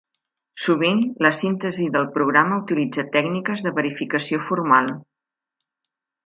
Sovint, la síntesi del programa utilitza tècniques de verificació formal.